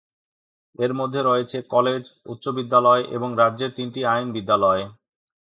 এর মধ্যে রয়েছে কলেজ, উচ্চ বিদ্যালয় এবং রাজ্যের তিনটি আইন বিদ্যালয়।